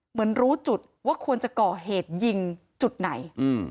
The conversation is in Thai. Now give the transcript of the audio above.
เหมือนรู้จุดว่าควรจะก่อเหตุยิงจุดไหน